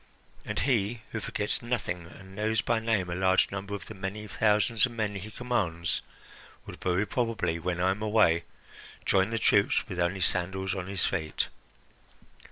And he, who forgets nothing and knows by name a large number of the many thousand men he commands, would very probably, when I am away, join the troops with only sandals on his feet.